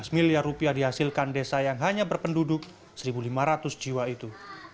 lima belas miliar rupiah dihasilkan desa yang hanya berpenduduk satu lima ratus jiwa itu